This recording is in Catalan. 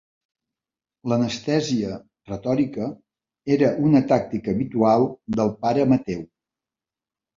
L'anestèsia retòrica era una tàctica habitual del pare Mateu.